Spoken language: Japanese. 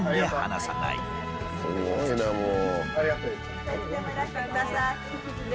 すごいなもう。